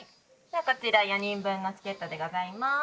ではこちら４人分のチケットでございます。